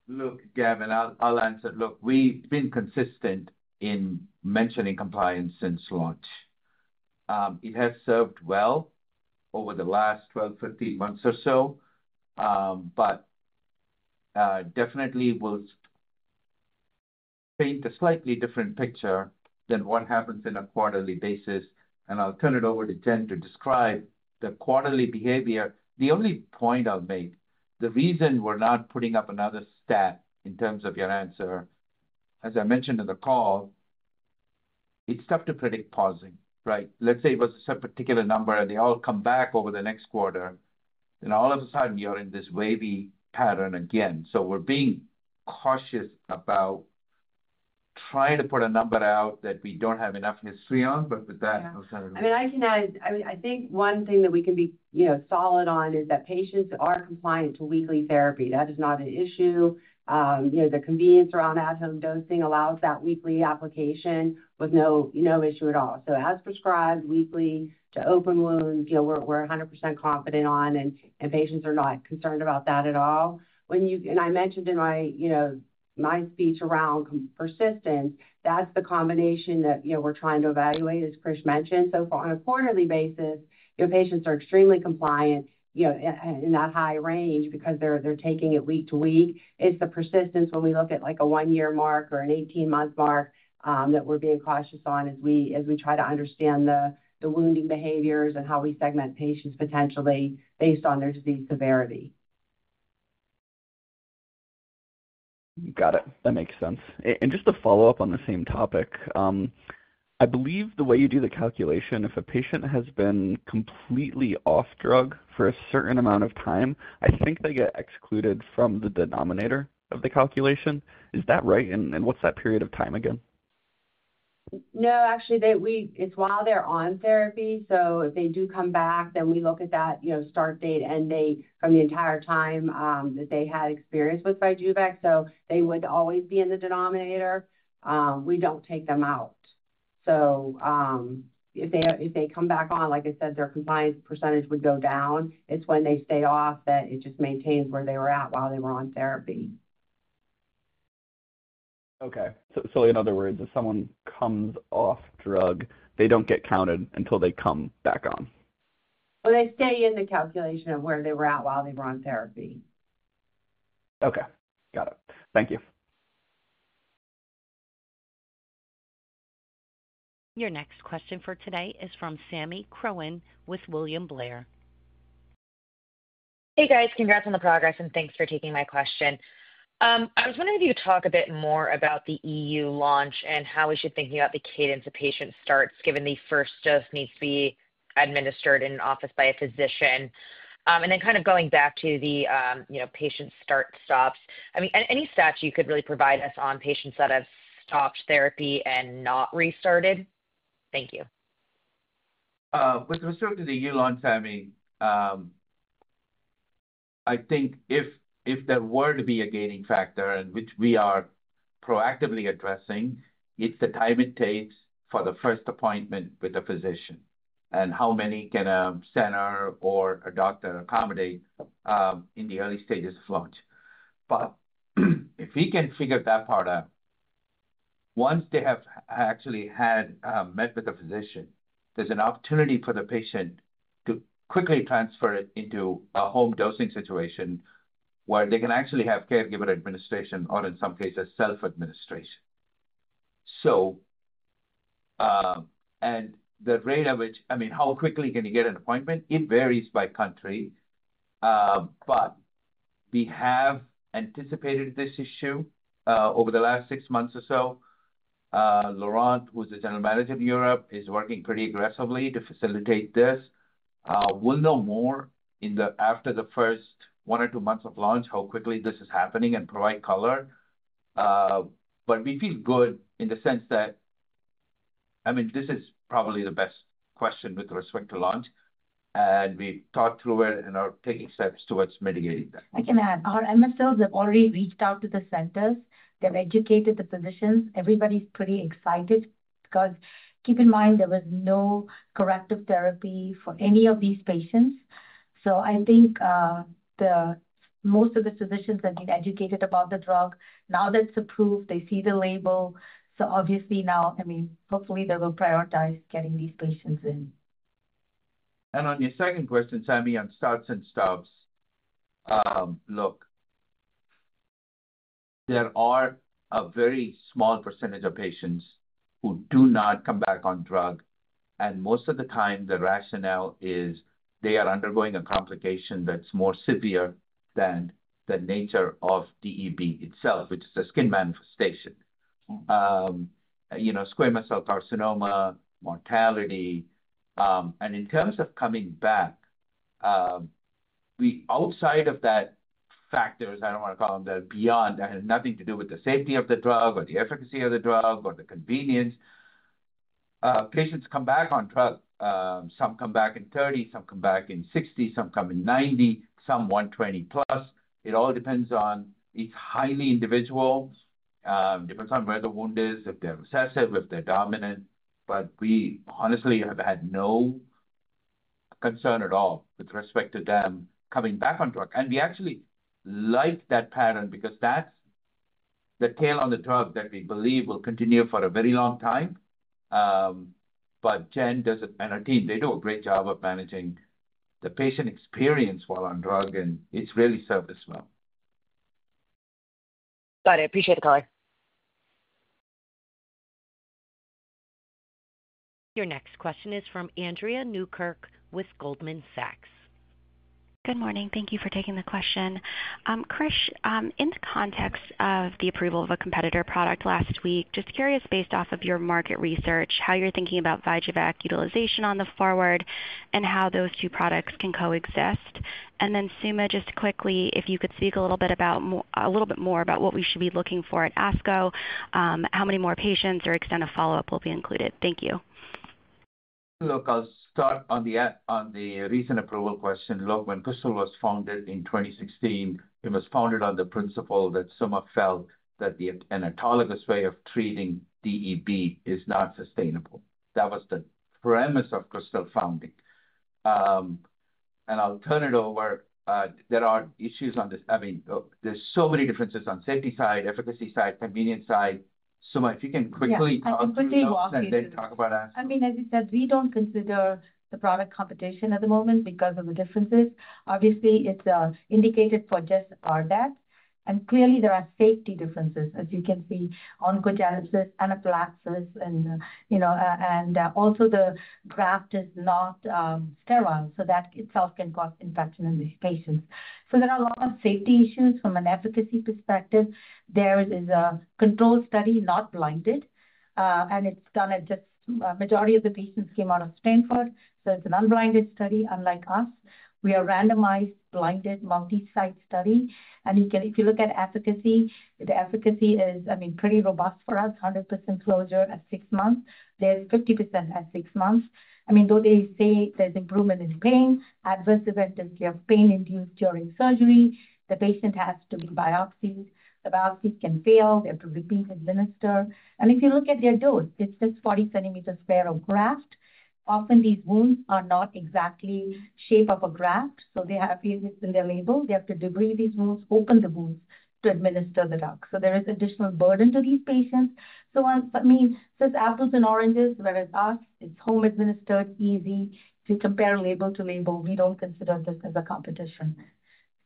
Look, Gavin, I'll answer. Look, we've been consistent in mentioning compliance since launch. It has served well over the last 12, 13 months or so, but definitely will paint a slightly different picture than what happens on a quarterly basis. I'll turn it over to Jen to describe the quarterly behavior. The only point I'll make, the reason we're not putting up another stat in terms of your answer, as I mentioned in the call, it's tough to predict pausing, right? Let's say it was a particular number, and they all come back over the next quarter, and all of a sudden, you're in this wavy pattern again. We are being cautious about trying to put a number out that we do not have enough history on. With that, I'll turn it over. I mean, I can add, I think one thing that we can be solid on is that patients are compliant to weekly therapy. That is not an issue. The convenience around at-home dosing allows that weekly application with no issue at all. As prescribed, weekly to open wounds, we're 100% confident on, and patients are not concerned about that at all. I mentioned in my speech around persistence, that's the combination that we're trying to evaluate, as Krish mentioned. On a quarterly basis, patients are extremely compliant in that high range because they're taking it week to week. It's the persistence when we look at a one-year mark or an 18-month mark that we're being cautious on as we try to understand the wounding behaviors and how we segment patients potentially based on their disease severity. Got it. That makes sense. Just to follow up on the same topic, I believe the way you do the calculation, if a patient has been completely off drug for a certain amount of time, I think they get excluded from the denominator of the calculation. Is that right? What's that period of time again? No, actually, it's while they're on therapy. If they do come back, then we look at that start date and from the entire time that they had experience with VYJUVEK. They would always be in the denominator. We do not take them out. If they come back on, like I said, their compliance percentage would go down. It is when they stay off that it just maintains where they were at while they were on therapy. In other words, if someone comes off drug, they do not get counted until they come back on? They stay in the calculation of where they were at while they were on therapy. Got it. Thank you. Your next question for today is from Sami Corwin with William Blair. Hey, guys. Congrats on the progress, and thanks for taking my question. I was wondering if you could talk a bit more about the EU launch and how we should think about the cadence of patient starts given the first dose needs to be administered in an office by a physician. Then kind of going back to the patient start-stops. I mean, any stats you could really provide us on patients that have stopped therapy and not restarted? Thank you. With respect to the EU launch, I mean, I think if there were to be a gating factor, which we are proactively addressing, it's the time it takes for the first appointment with a physician and how many can a center or a doctor accommodate in the early stages of launch. If we can figure that part out, once they have actually met with a physician, there's an opportunity for the patient to quickly transfer into a home dosing situation where they can actually have caregiver administration or, in some cases, self-administration. The rate of which, I mean, how quickly can you get an appointment? It varies by country. We have anticipated this issue over the last six months or so. Laurent, who's the General Manager in Europe, is working pretty aggressively to facilitate this. We'll know more after the first one or two months of launch how quickly this is happening and provide color. We feel good in the sense that, I mean, this is probably the best question with respect to launch. We've thought through it and are taking steps towards mitigating that. I can add. Our MSOs have already reached out to the centers. They've educated the physicians. Everybody's pretty excited because, keep in mind, there was no corrective therapy for any of these patients. I think most of the physicians have been educated about the drug. Now that it's approved, they see the label. Obviously now, I mean, hopefully, they will prioritize getting these patients in. On your second question, Sami on starts and stops, look, there are a very small percentage of patients who do not come back on drug. Most of the time, the rationale is they are undergoing a complication that is more severe than the nature of DEB itself, which is a skin manifestation, squamous cell carcinoma, mortality. In terms of coming back, outside of those factors, I do not want to call them that, beyond, I have nothing to do with the safety of the drug or the efficacy of the drug or the convenience. Patients come back on drug. Some come back in 30. Some come back in 60. Some come in 90. Some 120+. It all depends on, it is highly individual. It depends on where the wound is, if they are recessive, if they are dominant. We honestly have had no concern at all with respect to them coming back on drug. We actually like that pattern because that's the tail on the drug that we believe will continue for a very long time. Jen and her team do a great job of managing the patient experience while on drug, and it's really served us well. Got it. Appreciate the color. Your next question is from Andrea Newkirk with Goldman Sachs. Good morning. Thank you for taking the question. Krish, in the context of the approval of a competitor product last week, just curious based off of your market research, how you're thinking about VYJUVEK utilization on the forward and how those two products can coexist. Suma, just quickly, if you could speak a little bit more about what we should be looking for at ASCO, how many more patients or extent of follow-up will be included. Thank you. Look, I'll start on the recent approval question. When Krystal was founded in 2016, it was founded on the principle that Suma felt that an autologous way of treating DEB is not sustainable. That was the premise of Krystal's founding. I'll turn it over. There are issues on this. I mean, there's so many differences on safety side, efficacy side, convenience side. Suma, if you can quickly talk to us and then talk about ASCO. I mean, as you said, we don't consider the product competition at the moment because of the differences. Obviously, it's indicated for just RDEB. And clearly, there are safety differences, as you can see, oncogenesis and epilepsis. Also, the graft is not sterile, so that itself can cause infection in these patients. There are a lot of safety issues from an efficacy perspective. There is a control study, not blinded, and it's done at just a majority of the patients came out of Stanford. It's an unblinded study, unlike us. We are randomized blinded multi-site study. If you look at efficacy, the efficacy is, I mean, pretty robust for us, 100% closure at six months. There's 50% at six months. I mean, though they say there's improvement in pain, adverse event is pain-induced during surgery. The patient has to be biopsied. The biopsies can fail. They have to repeat administer. If you look at their dose, it's just 40 cm sq of graft. Often, these wounds are not exactly shape of a graft. They have issues in their label. They have to debride these wounds, open the wounds to administer the drug. There is additional burden to these patients. I mean, it's just apples and oranges, whereas us, it's home-administered, easy. If you compare label to label, we don't consider this as a competition.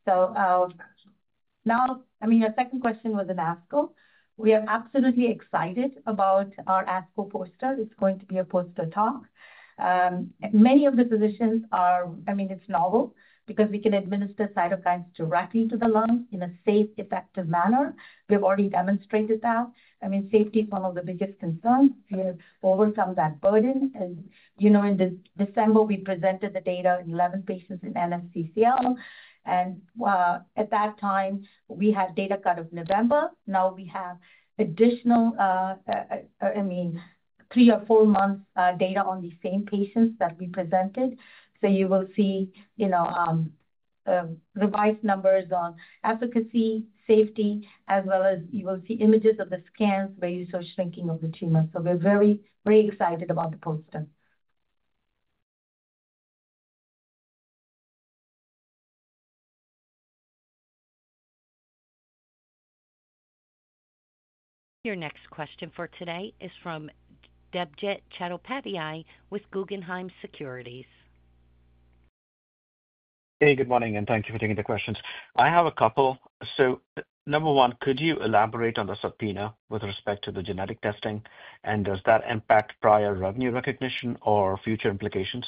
Your second question was in ASCO. We are absolutely excited about our ASCO poster. It's going to be a poster talk. Many of the physicians are, I mean, it's novel because we can administer cytokines directly to the lungs in a safe, effective manner. We have already demonstrated that. I mean, safety is one of the biggest concerns. We have overcome that burden. In December, we presented the data in 11 patients in NSCLC. At that time, we had data cut of November. Now we have additional, I mean, three or four months' data on the same patients that we presented. You will see revised numbers on efficacy, safety, as well as you will see images of the scans where you saw shrinking of the tumor. We are very, very excited about the poster. Your next question for today is from Debjit Chattopadhyay with Guggenheim Securities. Hey, good morning, and thank you for taking the questions. I have a couple. Number one, could you elaborate on the subpoena with respect to the genetic testing, and does that impact prior revenue recognition or future implications?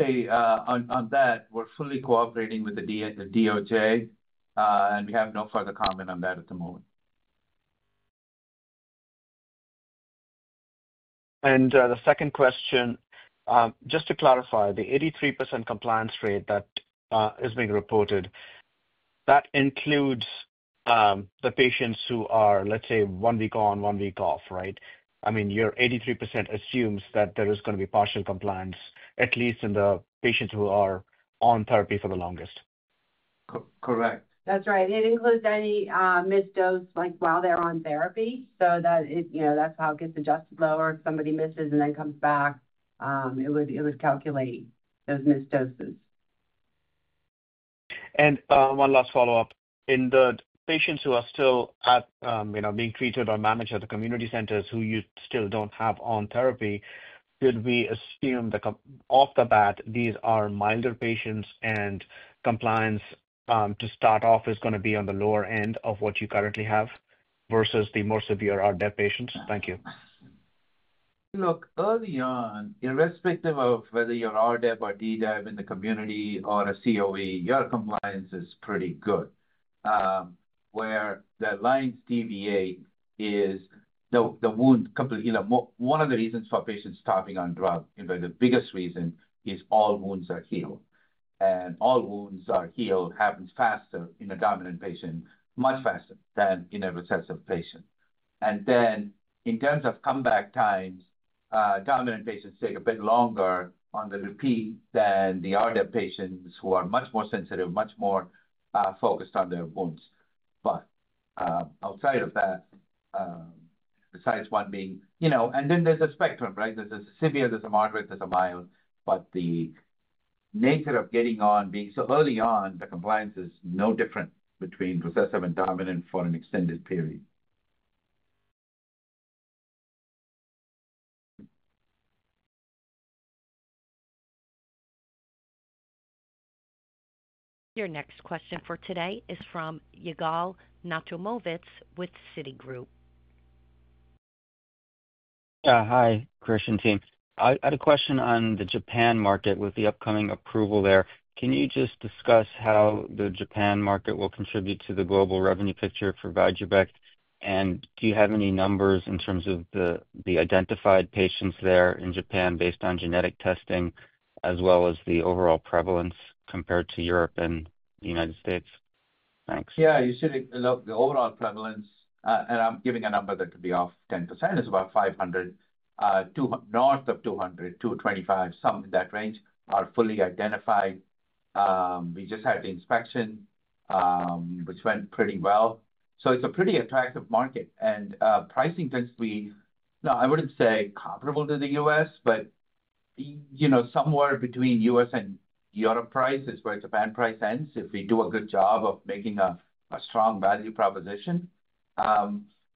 On that, we are fully cooperating with the DOJ, and we have no further comment on that at the moment. The second question, just to clarify, the 83% compliance rate that is being reported, that includes the patients who are, let's say, one week on, one week off, right? I mean, your 83% assumes that there is going to be partial compliance, at least in the patients who are on therapy for the longest? Correct. That's right. It includes any missed dose while they're on therapy. That's how it gets adjusted lower. If somebody misses and then comes back, it would calculate those missed doses. One last follow-up. In the patients who are still being treated or managed at the community centers who you still don't have on therapy, should we assume that off the bat, these are milder patients and compliance to start off is going to be on the lower end of what you currently have versus the more severe RDEB patients? Thank you. Look, early on, irrespective of whether you're RDEB or DDEB in the community or a COE, your compliance is pretty good. Where the lines deviate is the wound, one of the reasons for patients stopping on drug, the biggest reason is all wounds are healed. And all wounds are healed happens faster in a dominant patient, much faster than in a recessive patient. In terms of comeback times, dominant patients take a bit longer on the repeat than the RDEB patients who are much more sensitive, much more focused on their wounds. Outside of that, besides one being and then there's a spectrum, right? There's a severe, there's a moderate, there's a mild. The nature of getting on being so early on, the compliance is no different between recessive and dominant for an extended period. Your next question for today is from Yigal Natomovitz with Citigroup. Hi, Krish and team. I had a question on the Japan market with the upcoming approval there. Can you just discuss how the Japan market will contribute to the global revenue picture for VYJUVEK? And do you have any numbers in terms of the identified patients there in Japan based on genetic testing as well as the overall prevalence compared to Europe and the United States? Thanks. Yeah. You said the overall prevalence, and I'm giving a number that could be off 10%, is about 500, north of 200-225, something in that range, are fully identified. We just had the inspection, which went pretty well. It is a pretty attractive market. Pricing tends to be, I would not say comparable to the U.S., but somewhere between U.S. and Europe price is where Japan price ends if we do a good job of making a strong value proposition.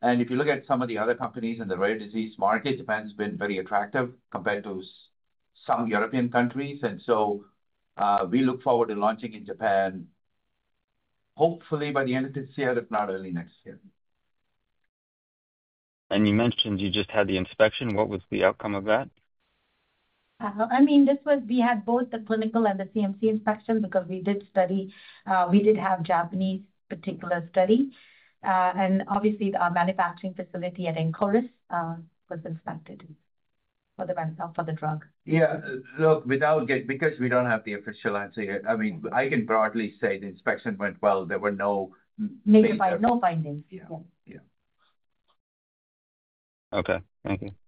If you look at some of the other companies in the rare disease market, Japan's been very attractive compared to some European countries. We look forward to launching in Japan, hopefully by the end of this year, if not early next year. You mentioned you just had the inspection. what was the outcome of that? I mean, we had both the clinical and the CMC inspection because we did study. We did have Japanese particular study. Obviously, our manufacturing facility at Encoris was inspected for the drug. Yeah. Look, without getting because we do not have the official answer yet. I can broadly say the inspection went well. There were no- No findings. Yes. Okay. Thank you.